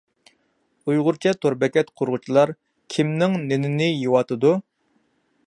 ئۇيغۇرچە تور بېكەت قۇرغۇچىلار كىمنىڭ نېنىنى يەۋاتىدۇ؟